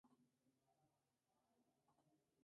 Kirk no les interesaba, y Gail era el único que lo sabía.